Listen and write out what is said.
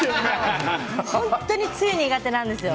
本当に梅雨、苦手なんですよ。